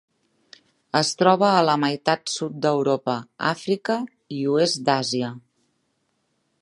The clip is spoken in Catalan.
Es troba a la meitat sud d'Europa, Àfrica i oest d'Àsia.